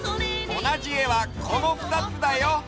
おなじえはこのふたつだよ！